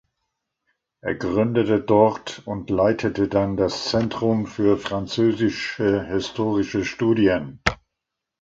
Er gründete dort und leitete dann das Zentrum für französische historische Studien.